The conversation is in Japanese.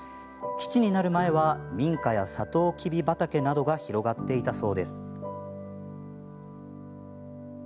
基地になる前は民家や、さとうきび畑などが広がっていたそうです。